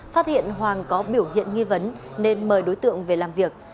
phát hiện hoàng có biểu hiện nghi vấn nên mời đối tượng về làm việc